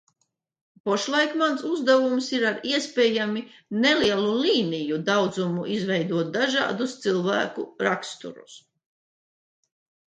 Pašlaik mans uzdevums ir ar iespējami nelielu līniju daudzumu izveidot dažādus cilvēku raksturus.